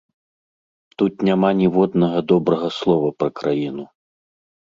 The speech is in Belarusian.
Тут няма ніводнага добрага слова пра краіну.